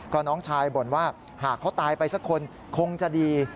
ก็น้องชายบ่นว่าหากเขาตายไปสักคนคงจะดี